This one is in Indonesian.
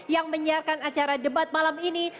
yang menyiarkan acara debat malam ini